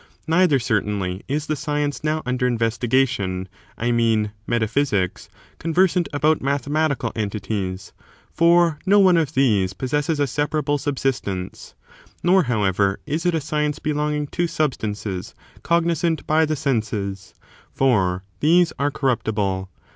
Neither, certainly, is the science now under ^^ jg j^ mathe investigation— I mean. Metaphysics — conversant , maticai en ti about mathematical entities,* for no one of these '*®*^ possesses a separable subsistence. Nor, however, is it a science belonging to substances cognisant by the senses, for these are corruptible.